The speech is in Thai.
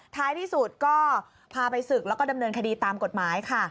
ท้ายที่สุดก็พาไปศึกแล้วก็ดำเนินคดีตามกฎหมายค่ะ